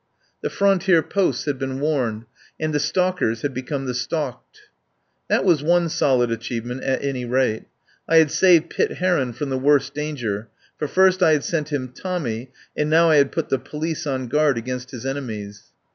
The frontier posts had been warned, and the stalkers had become the stalked. That was one solid achievement, at any rate. I had saved Pitt Heron from the worst dan ger, for first I had sent him Tommy, and now I had put the police on guard against his enemies.